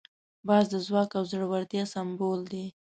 باز د ځواک او زړورتیا سمبول دی